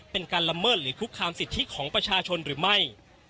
เป็นการละเมิดหรือคุกคามสิทธิของประชาชนหรือไม่